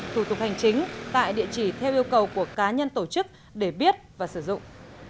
thủ tục hành chính tại địa chỉ theo yêu cầu của cá nhân tổ chức để biết và sử dụng